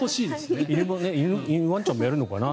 ワンちゃんもやるのかな。